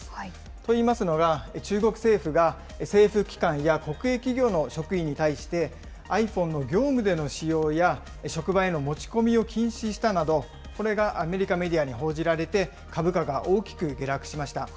といいますのは、中国政府が政府機関や国営企業の職員に対して、ｉＰｈｏｎｅの業務での使用や、職場への持ち込みを禁止したなど、これがアメリカメディアに報じられて、株価が大きく下落しました。